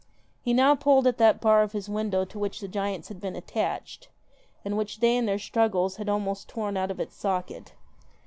KILLER He now pulled at that bar of his window to which the giants had been attached, and which they in their struggles had almost torn out of its socket.